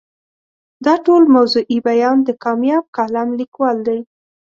دا ټول موضوعي بیان د کامیاب کالم لیکوال دی.